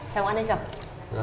chào ông ăn đây cháu